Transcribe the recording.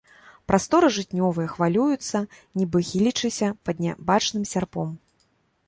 Прасторы жытнёвыя хвалююцца, нібы хілячыся пад нябачным сярпом.